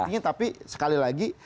artinya tapi sekali lagi